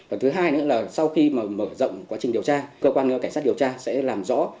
và thứ hai nữa là sau khi mà mở rộng quá trình điều tra cơ quan cảnh sát điều tra sẽ làm rõ